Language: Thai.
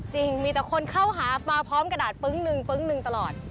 จริงมีแต่คนเข้าหามาพร้อมกระดาษปึ๊งหนึ่งปึ๊งหนึ่งตลอด